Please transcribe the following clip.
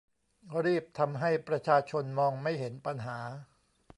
รีบทำให้ประชาชนมองไม่เห็นปัญหา